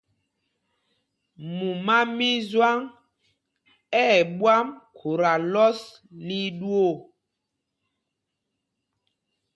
Mumá mí Zwâŋ ɛ̂ ɓwâm khuta lɔs lil ɗwoo.